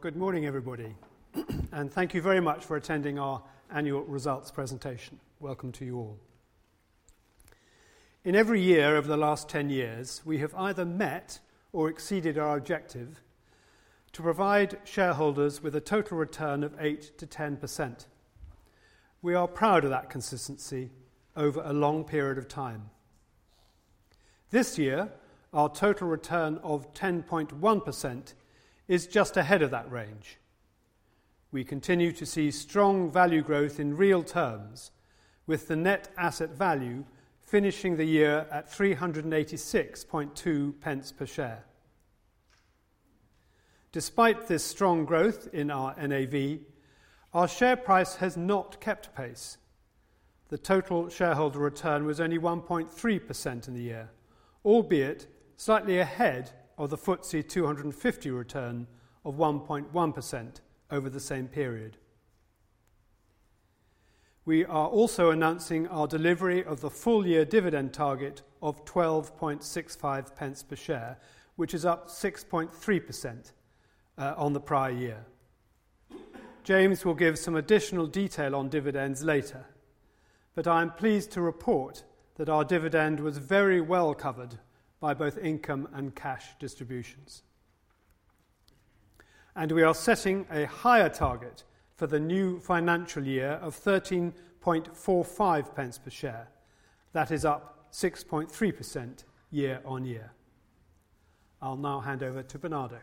Good morning, everybody, and thank you very much for attending our annual results presentation. Welcome to you all. In every year over the last 10 years, we have either met or exceeded our objective to provide shareholders with a total return of 8-10%. We are proud of that consistency over a long period of time. This year, our total return of 10.1% is just ahead of that range. We continue to see strong value growth in real terms, with the net asset value finishing the year at 3.862 per share. Despite this strong growth in our NAV, our share price has not kept pace. The total shareholder return was only 1.3% in the year, albeit slightly ahead of the FTSE 250 return of 1.1% over the same period. We are also announcing our delivery of the full-year dividend target of 0.1265 per share, which is up 6.3% on the prior year. James will give some additional detail on dividends later, but I am pleased to report that our dividend was very well covered by both income and cash distributions. We are setting a higher target for the new financial year of 0.1345 per share. That is up 6.3% year on year. I'll now hand over to Bernardo.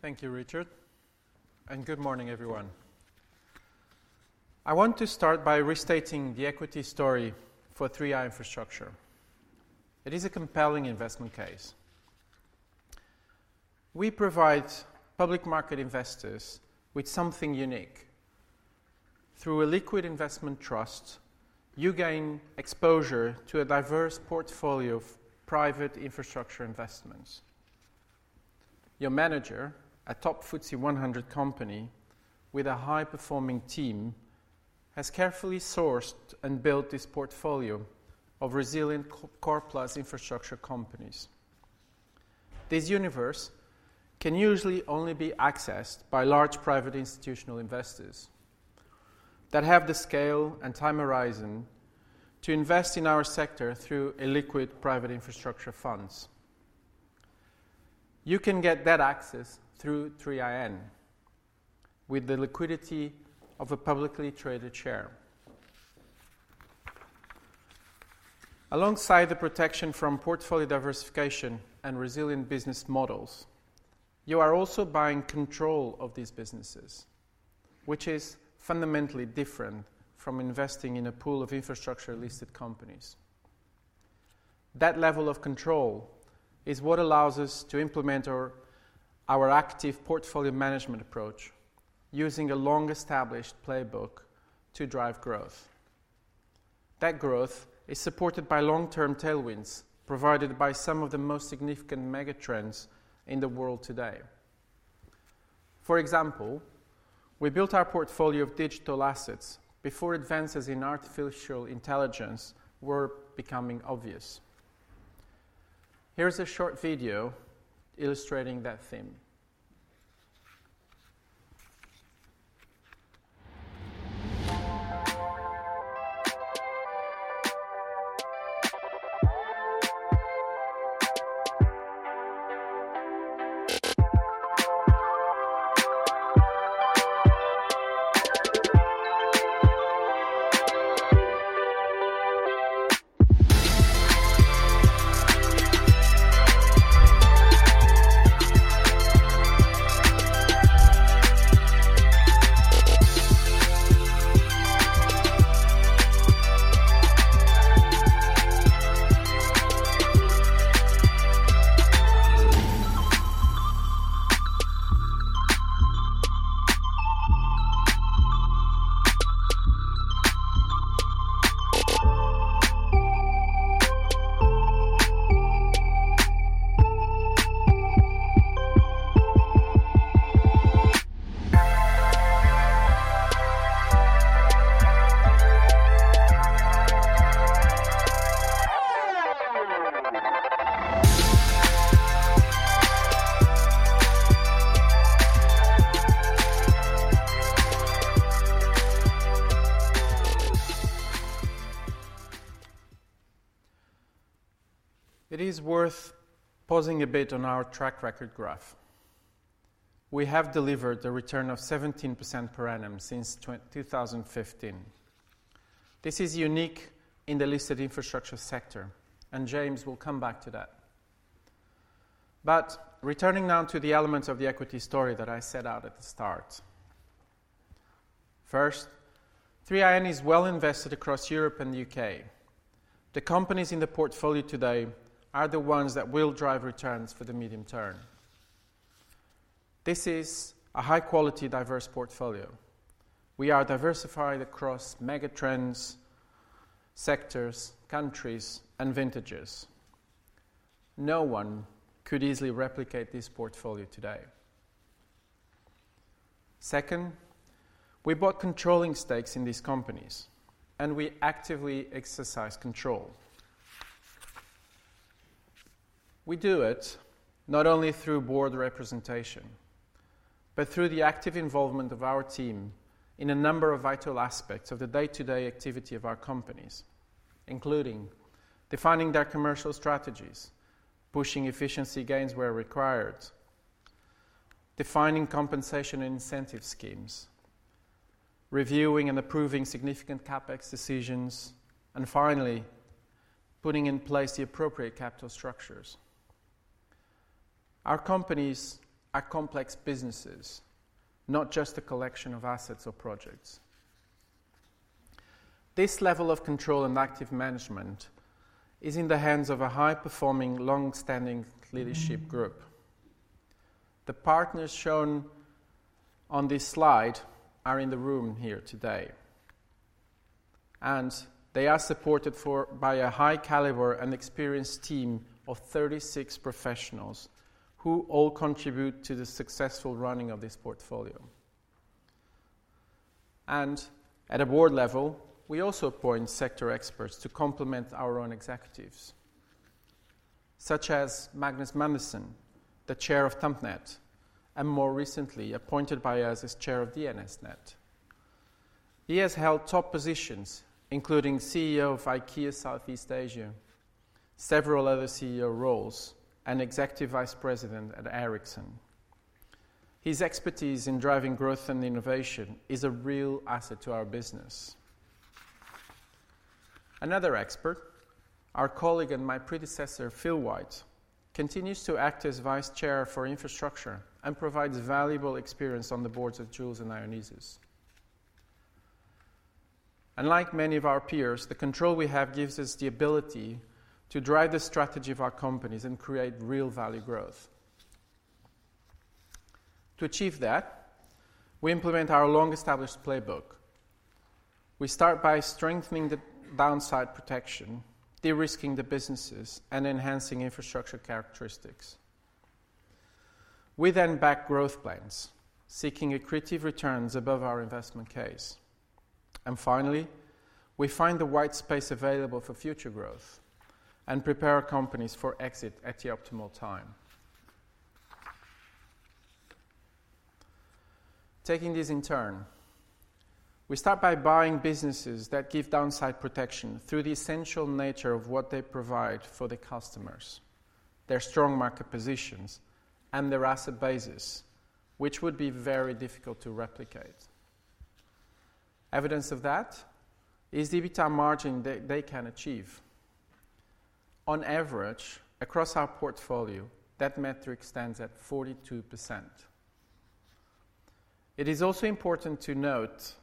Thank you, Richard, and good morning, everyone. I want to start by restating the equity story for 3i Infrastructure. It is a compelling investment case. We provide public market investors with something unique. Through a liquid investment trust, you gain exposure to a diverse portfolio of private infrastructure investments. Your manager, a top FTSE 100 company with a high-performing team, has carefully sourced and built this portfolio of resilient core plus infrastructure companies. This universe can usually only be accessed by large private institutional investors that have the scale and time horizon to invest in our sector through illiquid private infrastructure funds. You can get that access through 3iN, with the liquidity of a publicly traded share. Alongside the protection from portfolio diversification and resilient business models, you are also buying control of these businesses, which is fundamentally different from investing in a pool of infrastructure-listed companies. That level of control is what allows us to implement our active portfolio management approach, using a long-established playbook to drive growth. That growth is supported by long-term tailwinds provided by some of the most significant megatrends in the world today. For example, we built our portfolio of digital assets before advances in artificial intelligence were becoming obvious. Here is a short video illustrating that theme. It is worth pausing a bit on our track record graph. We have delivered a return of 17% per annum since 2015. This is unique in the listed infrastructure sector, and James will come back to that. Returning now to the elements of the equity story that I set out at the start. First, 3iN is well invested across Europe and the U.K. The companies in the portfolio today are the ones that will drive returns for the medium term. This is a high-quality, diverse portfolio. We are diversified across megatrends, sectors, countries, and vintages. No one could easily replicate this portfolio today. Second, we bought controlling stakes in these companies, and we actively exercise control. We do it not only through board representation, but through the active involvement of our team in a number of vital aspects of the day-to-day activity of our companies, including defining their commercial strategies, pushing efficiency gains where required, defining compensation and incentive schemes, reviewing and approving significant CapEx decisions, and finally, putting in place the appropriate capital structures. Our companies are complex businesses, not just a collection of assets or projects. This level of control and active management is in the hands of a high-performing, long-standing leadership group. The partners shown on this slide are in the room here today, and they are supported by a high-caliber and experienced team of 36 professionals who all contribute to the successful running of this portfolio. At a board level, we also appoint sector experts to complement our own executives, such as Magnus Magnusson, the chair of Tampnet, and more recently appointed by us as chair of DNS:NET. He has held top positions, including CEO of IKEA Southeast Asia, several other CEO roles, and Executive Vice President at Ericsson. His expertise in driving growth and innovation is a real asset to our business. Another expert, our colleague and my predecessor, Phil White, continues to act as Vice Chair for infrastructure and provides valuable experience on the boards of Joulz and Ionisos. Like many of our peers, the control we have gives us the ability to drive the strategy of our companies and create real value growth. To achieve that, we implement our long-established playbook. We start by strengthening the downside protection, de-risking the businesses, and enhancing infrastructure characteristics. We then back growth plans, seeking accretive returns above our investment case. Finally, we find the white space available for future growth and prepare companies for exit at the optimal time. Taking this in turn, we start by buying businesses that give downside protection through the essential nature of what they provide for the customers, their strong market positions, and their asset basis, which would be very difficult to replicate. Evidence of that is the return margin they can achieve. On average, across our portfolio, that metric stands at 42%. It is also important to note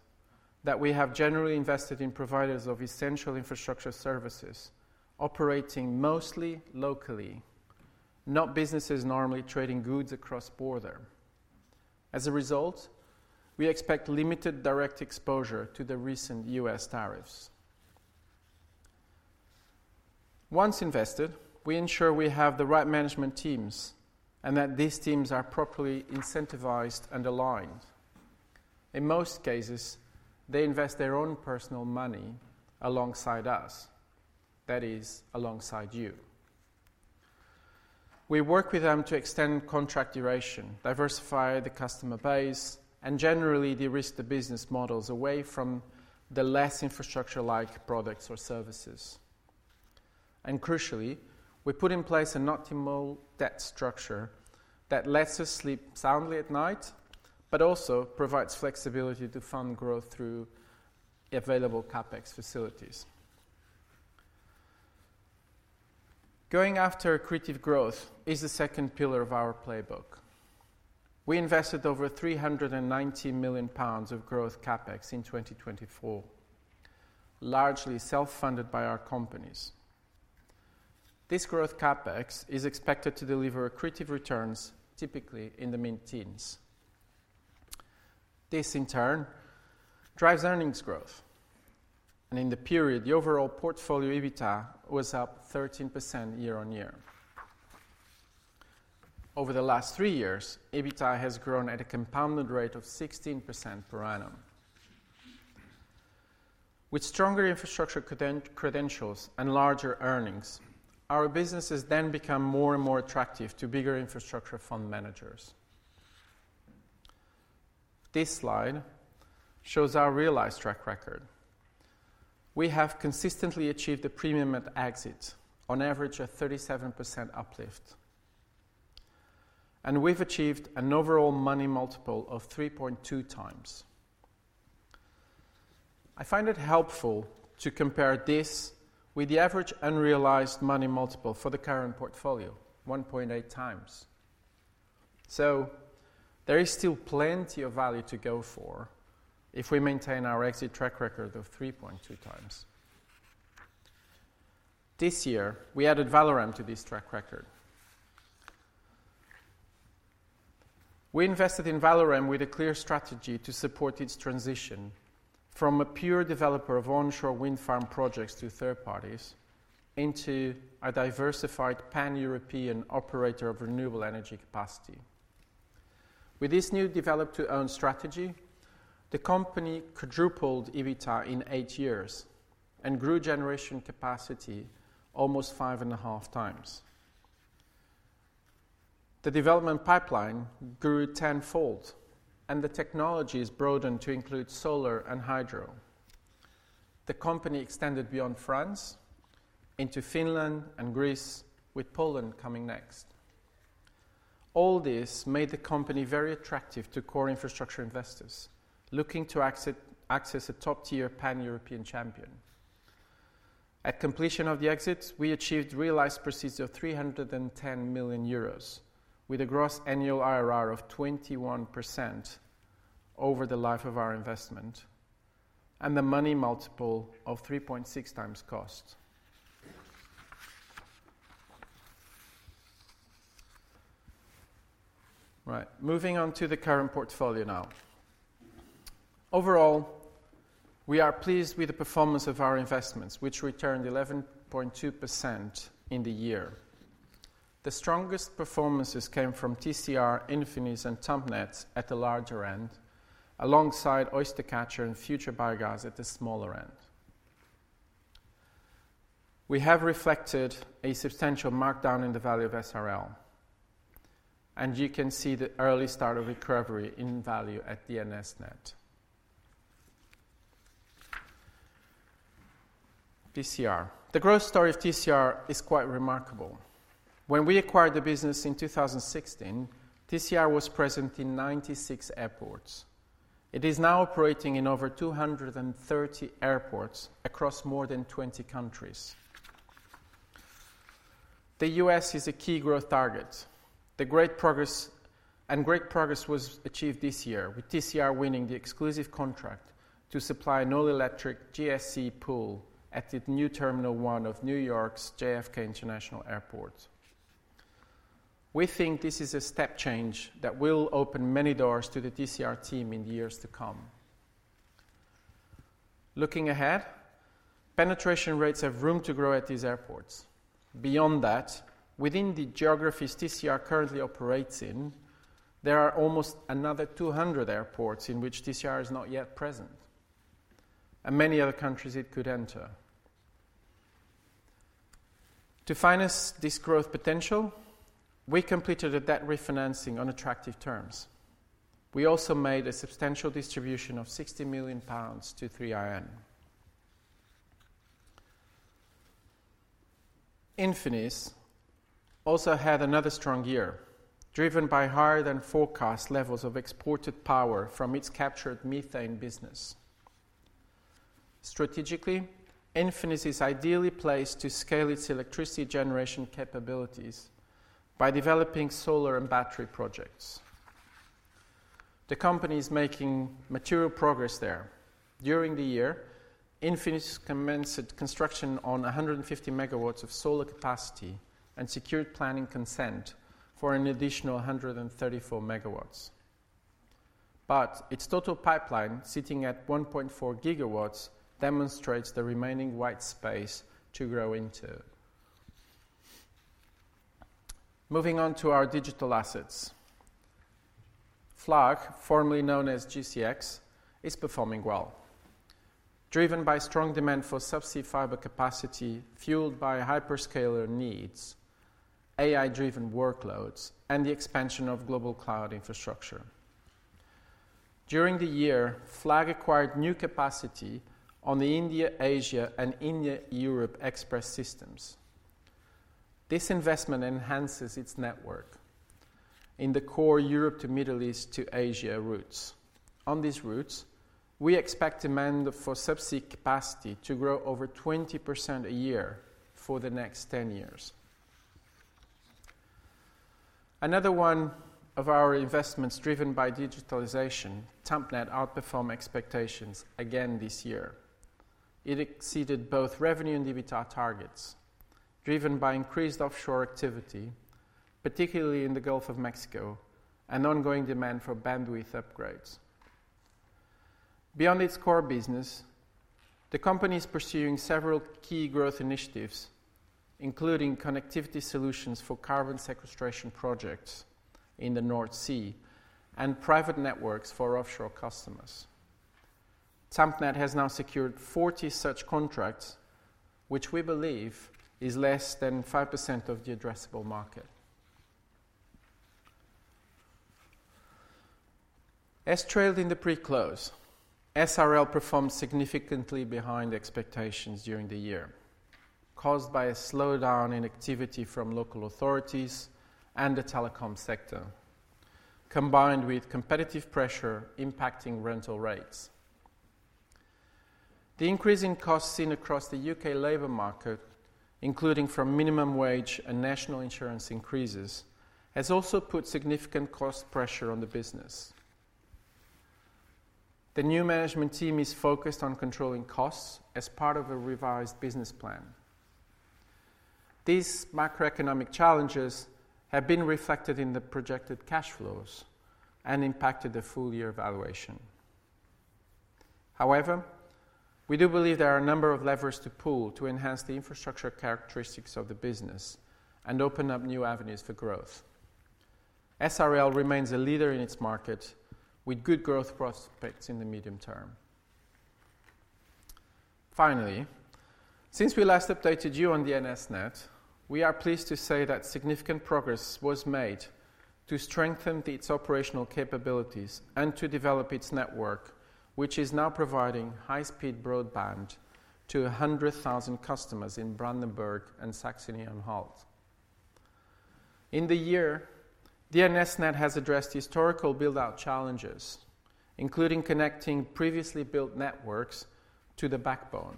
that we have generally invested in providers of essential infrastructure services operating mostly locally, not businesses normally trading goods across borders. As a result, we expect limited direct exposure to the recent U.S. tariffs. Once invested, we ensure we have the right management teams and that these teams are properly incentivized and aligned. In most cases, they invest their own personal money alongside us, that is, alongside you. We work with them to extend contract duration, diversify the customer base, and generally de-risk the business models away from the less infrastructure-like products or services. Crucially, we put in place an optimal debt structure that lets us sleep soundly at night, but also provides flexibility to fund growth through available CapEx facilities. Going after accretive growth is the second pillar of our playbook. We invested over 390 million pounds of growth CapEx in 2024, largely self-funded by our companies. This growth CapEx is expected to deliver accretive returns, typically in the mid-teens. This, in turn, drives earnings growth, and in the period, the overall portfolio EBITDA was up 13% year on year. Over the last three years, EBITDA has grown at a compounded rate of 16% per annum. With stronger infrastructure credentials and larger earnings, our businesses then become more and more attractive to bigger infrastructure fund managers. This slide shows our realized track record. We have consistently achieved a premium at exit, on average a 37% uplift, and we've achieved an overall money multiple of 3.2 times. I find it helpful to compare this with the average unrealized money multiple for the current portfolio, 1.8 times. There is still plenty of value to go for if we maintain our exit track record of 3.2 times. This year, we added Valorem to this track record. We invested in Valorem with a clear strategy to support its transition from a pure developer of onshore wind farm projects to third parties into a diversified pan-European operator of renewable energy capacity. With this new develop-to-own strategy, the company quadrupled EBITDA in eight years and grew generation capacity almost five-and-a-half-times. The development pipeline grew tenfold, and the technology is broadened to include solar and hydro. The company extended beyond France into Finland and Greece, with Poland coming next. All this made the company very attractive to core infrastructure investors looking to access a top-tier pan-European champion. At completion of the exit, we achieved realized proceeds of 310 million euros, with a gross annual IRR of 21% over the life of our investment and the money multiple of 3.6x cost. Right, moving on to the current portfolio now. Overall, we are pleased with the performance of our investments, which returned 11.2% in the year. The strongest performances came from TCR, Infinis, and Tampnet at the larger end, alongside Oystercatcher and Future Biogas at the smaller end. We have reflected a substantial markdown in the value of SRL, and you can see the early start of recovery in value at DNS:NET. TCR, the growth story of TCR is quite remarkable. When we acquired the business in 2016, TCR was present in 96 airports. It is now operating in over 230 airports across more than 20 countries. The U.S. is a key growth target. The great progress and great progress was achieved this year, with TCR winning the exclusive contract to supply an all-electric GSE pool at the new Terminal 1 of New York's JFK International Airport. We think this is a step change that will open many doors to the TCR team in the years to come. Looking ahead, penetration rates have room to grow at these airports. Beyond that, within the geographies TCR currently operates in, there are almost another 200 airports in which TCR is not yet present, and many other countries it could enter. To finance this growth potential, we completed a debt refinancing on attractive terms. We also made a substantial distribution of 60 million pounds to 3iN. Infinis also had another strong year, driven by higher-than-forecast levels of exported power from its captured-methane business. Strategically, Infinis is ideally placed to scale its electricity generation capabilities by developing solar and battery projects. The company is making material progress there. During the year, Infinis commenced construction on 150 megawatts of solar capacity and secured planning consent for an additional 134 megawatts. Its total pipeline, sitting at 1.4 gigawatts, demonstrates the remaining white space to grow into. Moving on to our digital assets. FLAG, formerly known as GCX, is performing well, driven by strong demand for subsea fiber capacity fueled by hyperscaler needs, AI-driven workloads, and the expansion of global cloud infrastructure. During the year, FLAG acquired new capacity on the India-Asia and India-Europe Express systems. This investment enhances its network in the core Europe to Middle East to Asia routes. On these routes, we expect demand for subsea capacity to grow over 20% a year for the next 10 years. Another one of our investments driven by digitalization, Tampnet outperformed expectations again this year. It exceeded both revenue and EBITDA targets, driven by increased offshore activity, particularly in the Gulf of Mexico, and ongoing demand for bandwidth upgrades. Beyond its core business, the company is pursuing several key growth initiatives, including connectivity solutions for carbon-sequestration projects in the North Sea and private networks for offshore customers. Tampnet has now secured 40 such contracts, which we believe is less than 5% of the addressable market. As trailed in the pre-close, SRL performed significantly behind expectations during the year, caused by a slowdown in activity from local authorities and the telecom sector, combined with competitive pressure impacting rental rates. The increase in costs seen across the U.K. labor market, including from minimum wage and national insurance increases, has also put significant cost pressure on the business. The new management team is focused on controlling costs as part of a revised business plan. These macroeconomic challenges have been reflected in the projected cash flows and impacted the full year valuation. However, we do believe there are a number of levers to pull to enhance the infrastructure characteristics of the business and open up new avenues for growth. SRL remains a leader in its market with good growth prospects in the medium term. Finally, since we last updated you on DNS:NET, we are pleased to say that significant progress was made to strengthen its operational capabilities and to develop its network, which is now providing high-speed broadband to 100,000 customers in Brandenburg and Saxony-Anhalt. In the year, DNS:NET has addressed historical build-out challenges, including connecting previously built networks to the backbone.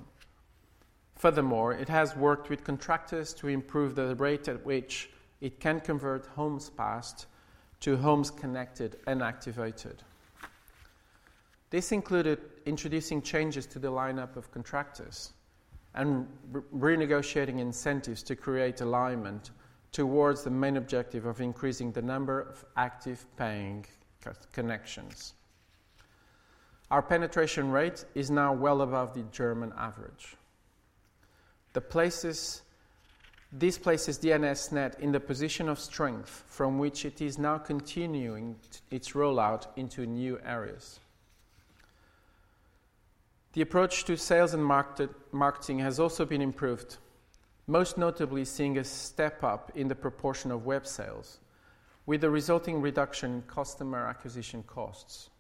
Furthermore, it has worked with contractors to improve the rate at which it can convert homes passed to homes connected and activated. This included introducing changes to the lineup of contractors and renegotiating incentives to create alignment towards the main objective of increasing the number of active paying connections. Our penetration rate is now well above the German average. These place DNS:NET in the position of strength from which it is now continuing its rollout into new areas. The approach to sales and marketing has also been improved, most notably seeing a step up in the proportion of web sales, with the resulting reduction in customer acquisition costs.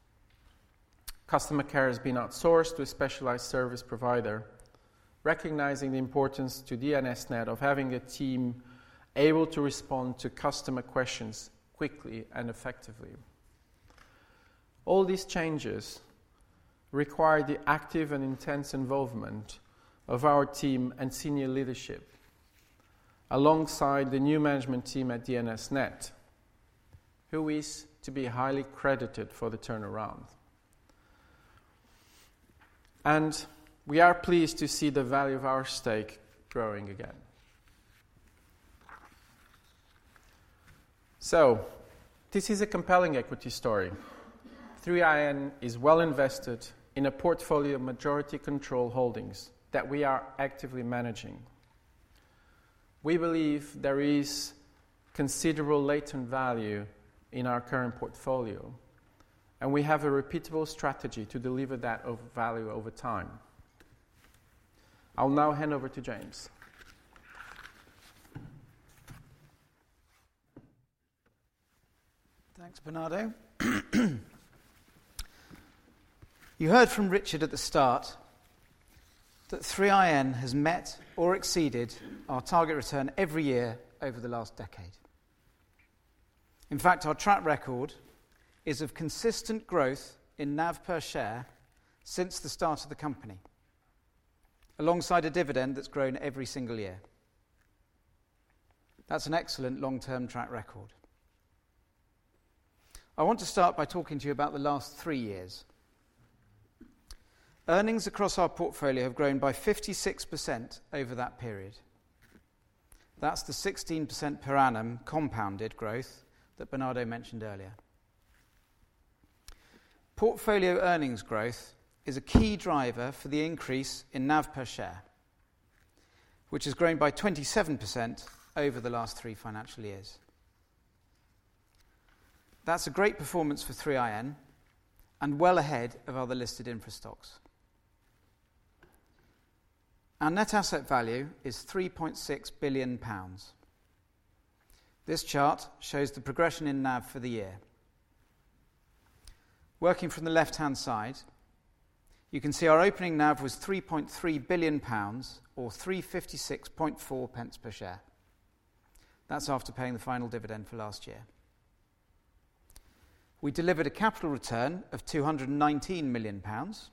Customer care has been outsourced to a specialized service provider, recognizing the importance to DNS:NET of having a team able to respond to customer questions quickly and effectively. All these changes require the active and intense involvement of our team and senior leadership, alongside the new management team at DNS:NET, who is to be highly credited for the turnaround. We are pleased to see the value of our stake growing again. This is a compelling equity story. 3iN is well invested in a portfolio of majority control holdings that we are actively managing. We believe there is considerable latent value in our current portfolio, and we have a repeatable strategy to deliver that value over time. I'll now hand over to James. Thanks, Bernardo. You heard from Richard at the start that 3iN has met or exceeded our target return every year over the last decade. In fact, our track record is of consistent growth in NAV per share since the start of the company, alongside a dividend that's grown every single year. That's an excellent long-term track record. I want to start by talking to you about the last three years. Earnings across our portfolio have grown by 56% over that period. That's the 16% per annum compounded growth that Bernardo mentioned earlier. Portfolio earnings growth is a key driver for the increase in NAV per share, which has grown by 27% over the last three financial years. That's a great performance for 3iN and well ahead of other listed infrastructures. Our net asset value is 3.6 billion pounds. This chart shows the progression in NAV for the year. Working from the left-hand side, you can see our opening NAV was 3.3 billion pounds, or 356.4 pence per share. That's after paying the final dividend for last year. We delivered a capital return of 219 million pounds.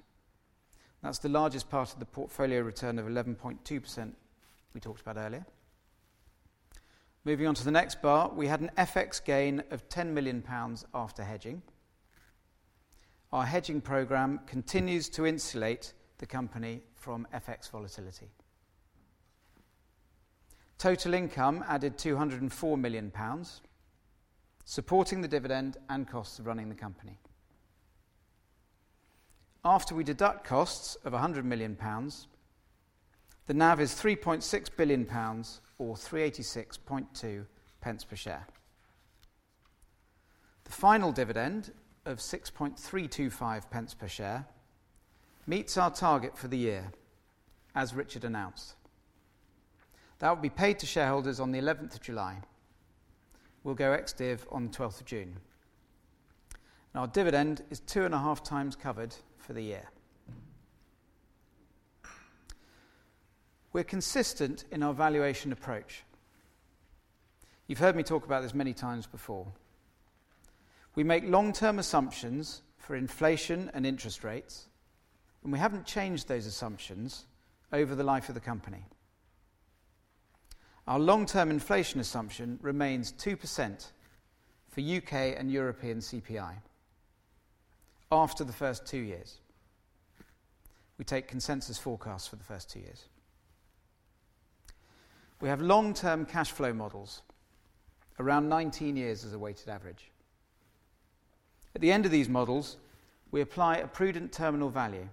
That's the largest part of the portfolio return of 11.2% we talked about earlier. Moving on to the next bar, we had an FX gain of 10 million pounds after hedging. Our hedging program continues to insulate the company from FX volatility. Total income added 204 million pounds, supporting the dividend and costs of running the company. After we deduct costs of 100 million pounds, the NAV is 3.6 billion pounds, or 386.2 pence per share. The final dividend of 6.325 pence per share meets our target for the year, as Richard announced. That will be paid to shareholders on the 11th of July. We'll go ex-div on the 12th of June. Our dividend is two and a half times covered for the year. We're consistent in our valuation approach. You've heard me talk about this many times before. We make long-term assumptions for inflation and interest rates, and we haven't changed those assumptions over the life of the company. Our long-term inflation assumption remains 2% for U.K. and European CPI after the first two years. We take consensus forecasts for the first two years. We have long-term cash flow models, around 19 years as a weighted average. At the end of these models, we apply a prudent terminal value,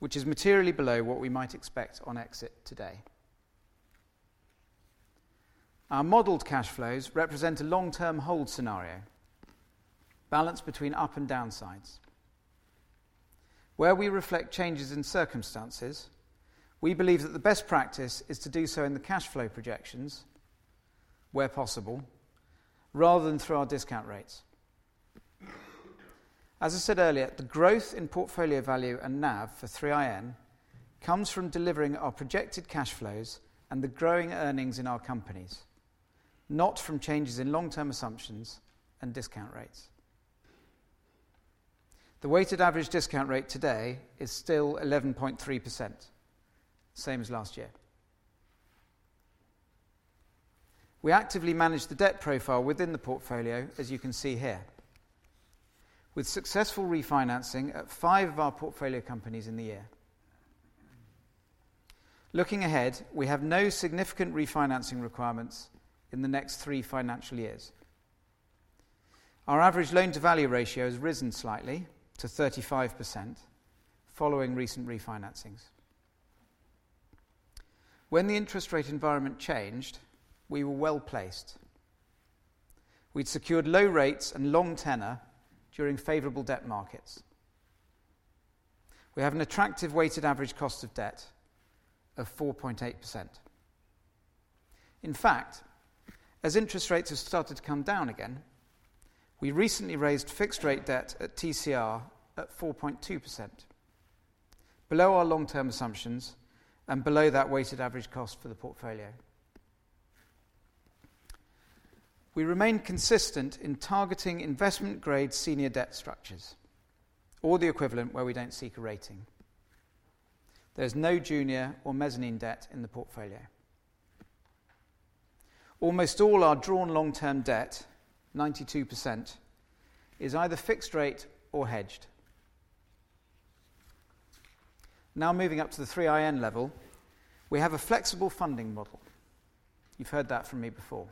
which is materially below what we might expect on exit today. Our modeled cash flows represent a long-term hold scenario, balanced between up and downsides. Where we reflect changes in circumstances, we believe that the best practice is to do so in the cash flow projections where possible, rather than through our discount rates. As I said earlier, the growth in portfolio value and NAV for 3iN comes from delivering our projected cash flows and the growing earnings in our companies, not from changes in long-term assumptions and discount rates. The weighted average discount rate today is still 11.3%, same as last year. We actively manage the debt profile within the portfolio, as you can see here, with successful refinancing at five of our portfolio companies in the year. Looking ahead, we have no significant refinancing requirements in the next three financial years. Our average loan-to-value ratio has risen slightly to 35% following recent refinancings. When the interest rate environment changed, we were well placed. We'd secured low rates and long tenor during favorable debt markets. We have an attractive weighted average cost of debt of 4.8%. In fact, as interest rates have started to come down again, we recently raised fixed-rate debt at TCR at 4.2%, below our long-term assumptions and below that weighted average cost for the portfolio. We remain consistent in targeting investment-grade senior debt structures, or the equivalent where we do not seek a rating. There is no junior or mezzanine debt in the portfolio. Almost all our drawn long-term debt, 92%, is either fixed-rate or hedged. Now moving up to the 3iN level, we have a flexible funding model. You have heard that from me before.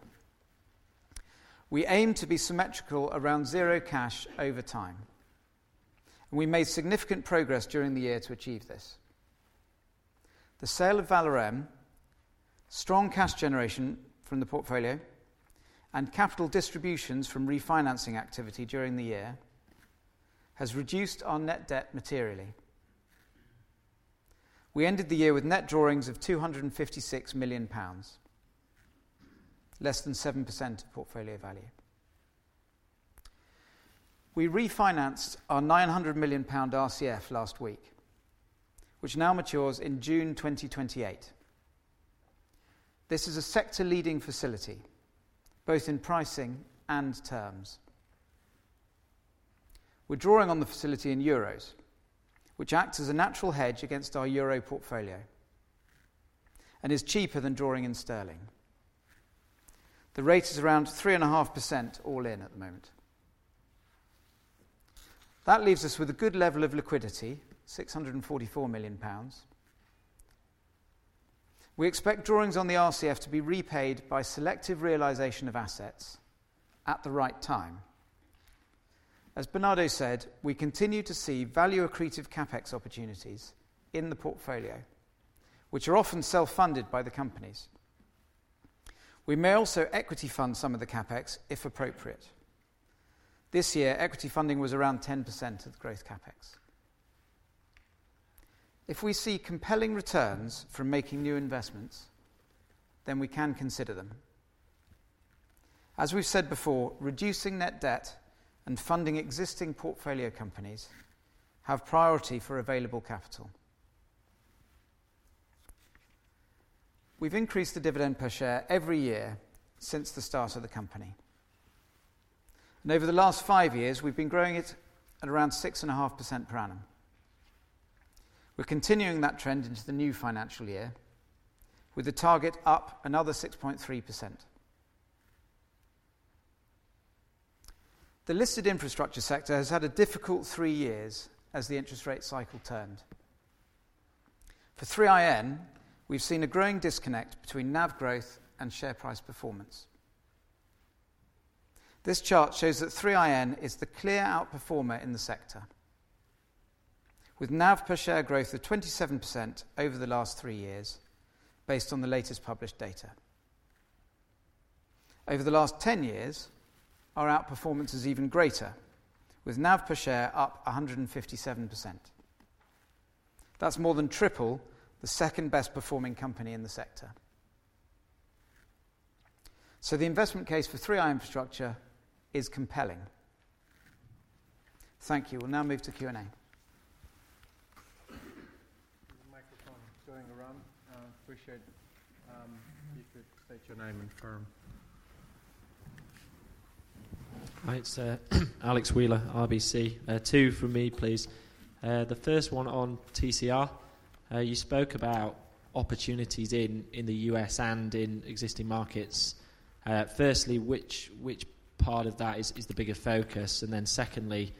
We aim to be symmetrical around zero cash over time, and we made significant progress during the year to achieve this. The sale of Valorem, strong cash generation from the portfolio, and capital distributions from refinancing activity during the year has reduced our net debt materially. We ended the year with net drawings of 256 million pounds, less than 7% of portfolio value. We refinanced our 900 million pound RCF last week, which now matures in June 2028. This is a sector-leading facility, both in pricing and terms. We're drawing on the facility in EUR, which acts as a natural hedge against our euro portfolio and is cheaper than drawing in sterling. The rate is around 3.5% all in at the moment. That leaves us with a good level of liquidity, 644 million pounds. We expect drawings on the RCF to be repaid by selective realization of assets at the right time. As Bernardo said, we continue to see value-accretive CapEx opportunities in the portfolio, which are often self-funded by the companies. We may also equity fund some of the CapEx if appropriate. This year, equity funding was around 10% of the growth CapEx. If we see compelling returns from making new investments, then we can consider them. As we've said before, reducing net debt and funding existing portfolio companies have priority for available capital. We've increased the dividend per share every year since the start of the company. Over the last five years, we've been growing it at around 6.5% per annum. We're continuing that trend into the new financial year, with the target up another 6.3%. The listed infrastructure sector has had a difficult three years as the interest rate cycle turned. For 3iN, we've seen a growing disconnect between NAV growth and share price performance. This chart shows that 3iN is the clear outperformer in the sector, with NAV per share growth of 27% over the last three years, based on the latest published data. Over the last ten years, our outperformance is even greater, with NAV per share up 157%. That's more than triple the second-best-performing company in the sector. The investment case for 3i infrastructure is compelling. Thank you. We'll now move to Q&A. Microphone going around. Appreciate it if you could state your name and firm. Right, Sir, Alex Wheeler, RBC. Two from me, please. The first one on TCR, you spoke about opportunities in the U.S. and in existing markets. Firstly, which part of that is the bigger focus? Secondly,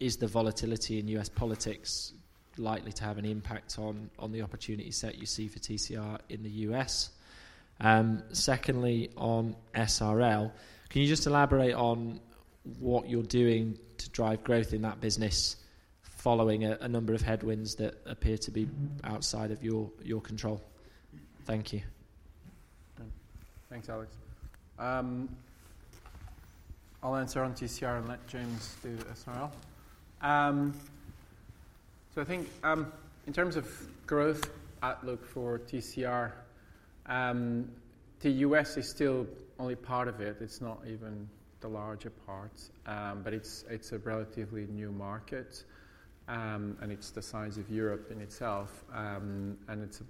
is the volatility in U.S. politics likely to have an impact on the opportunity set you see for TCR in the U.S.? Secondly, on SRL, can you just elaborate on what you're doing to drive growth in that business following a number of headwinds that appear to be outside of your control? Thank you. Thanks, Alex. I'll answer on TCR and let James do SRL. I think in terms of growth outlook for TCR, the U.S. is still only part of it. It's not even the larger part, but it's a relatively new market, and it's the size of Europe in itself. It's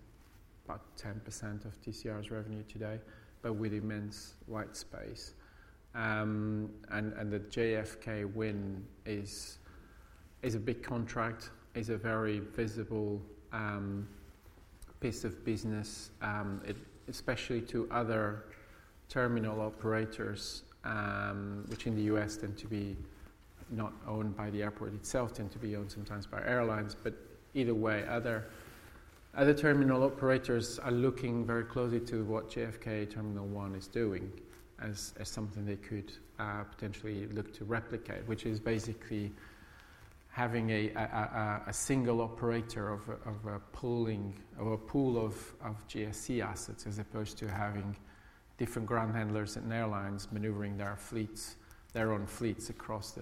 about 10% of TCR's revenue today, but with immense white space. The JFK win is a big contract, is a very visible piece of business, especially to other terminal operators, which in the U.S. tend to be not owned by the airport itself, tend to be owned sometimes by airlines. Either way, other terminal operators are looking very closely to what JFK Terminal 1 is doing as something they could potentially look to replicate, which is basically having a single operator of a pool of GSE assets as opposed to having different ground handlers and airlines maneuvering their own fleets across the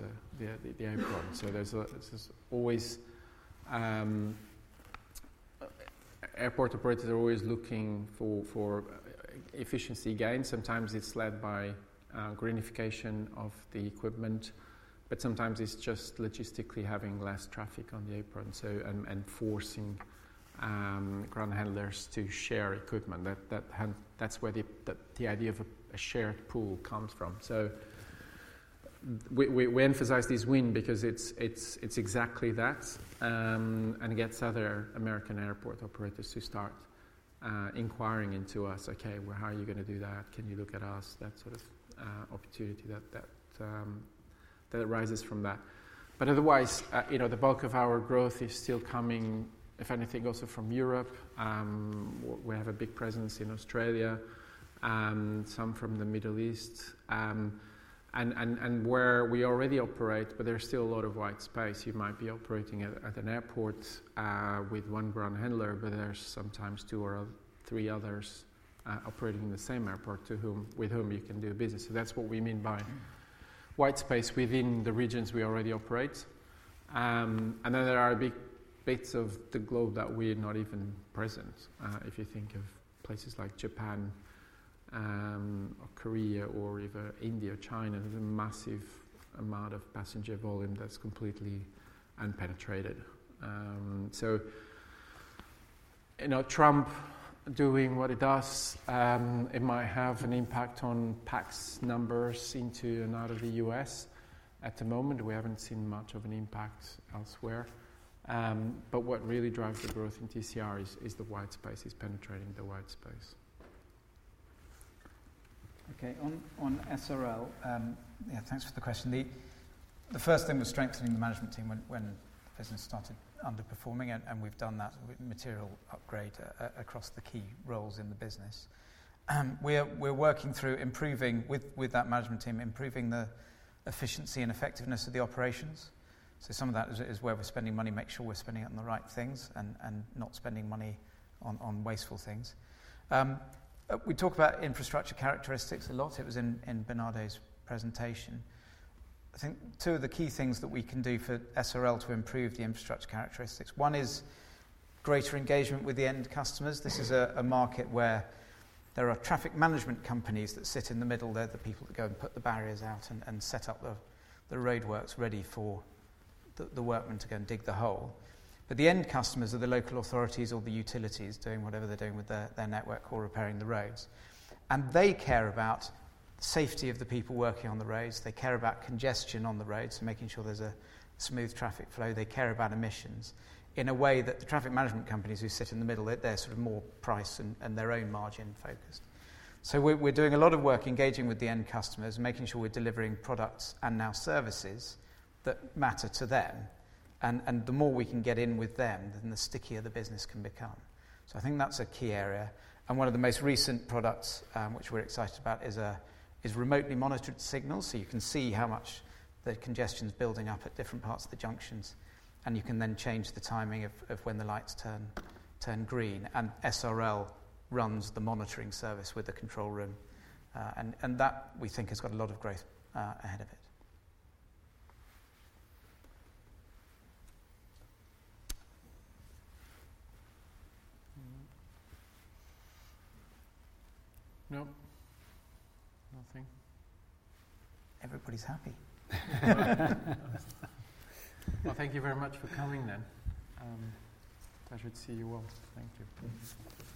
airport. There is always airport operators are always looking for efficiency gains. Sometimes it is led by greenification of the equipment, but sometimes it is just logistically having less traffic on the airport and forcing ground handlers to share equipment. That is where the idea of a shared pool comes from. We emphasize this win because it is exactly that, and it gets other American airport operators to start inquiring into us, "Okay, how are you going to do that? Can you look at us?" That sort of opportunity that arises from that. Otherwise, the bulk of our growth is still coming, if anything, also from Europe. We have a big presence in Australia, some from the Middle East, and where we already operate, but there's still a lot of white space. You might be operating at an airport with one ground handler, but there's sometimes two or three others operating in the same airport with whom you can do business. That is what we mean by white space within the regions we already operate. There are big bits of the globe that we're not even present. If you think of places like Japan or Korea or even India or China, there's a massive amount of passenger volume that's completely unpenetrated. Trump doing what he does, it might have an impact on PAX numbers into and out of the U.S. at the moment. We have not seen much of an impact elsewhere. What really drives the growth in TCR is the white space, is penetrating the white space. Okay, on SRL, yeah, thanks for the question. The first thing was strengthening the management team when business started underperforming, and we have done that with material upgrade across the key roles in the business. We are working through improving with that management team, improving the efficiency and effectiveness of the operations. Some of that is where we are spending money, making sure we are spending it on the right things and not spending money on wasteful things. We talk about infrastructure characteristics a lot. It was in Bernardo's presentation. I think two of the key things that we can do for SRL to improve the infrastructure characteristics. One is greater engagement with the end customers. This is a market where there are traffic management companies that sit in the middle. They are the people that go and put the barriers out and set up the roadworks ready for the workmen to go and dig the hole. The end customers are the local authorities or the utilities doing whatever they are doing with their network or repairing the roads. They care about the safety of the people working on the roads. They care about congestion on the roads, making sure there is a smooth traffic flow. They care about emissions in a way that the traffic management companies who sit in the middle, they are sort of more price and their own margin focused. We are doing a lot of work engaging with the end customers, making sure we are delivering products and now services that matter to them. The more we can get in with them, then the stickier the business can become. I think that's a key area. One of the most recent products which we're excited about is remotely monitored signals. You can see how much the congestion's building up at different parts of the junctions, and you can then change the timing of when the lights turn green. SRL runs the monitoring service with the control room. That, we think, has got a lot of growth ahead of it. Nothing. Everybody's happy. Thank you very much for coming then. Pleasure to see you all. Thank you.